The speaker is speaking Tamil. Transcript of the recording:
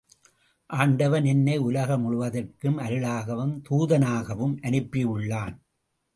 ஆண்டவன் என்னை உலக முழுவதற்கும் அருளாகவும், தூதனாகவும் அனுப்பியுள்ளான்.